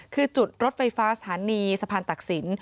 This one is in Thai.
คือจุดรถไฟฟ้าสถานีสะพานตักศิลป